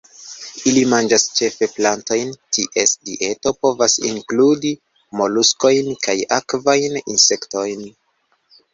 Ili manĝas ĉefe plantojn; ties dieto povas inkludi moluskojn kaj akvajn insektojn.